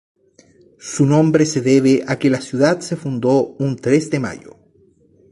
Su nombre se debe a que la ciudad se fundó un tres de mayo.